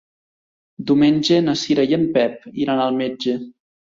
Diumenge na Cira i en Pep iran al metge.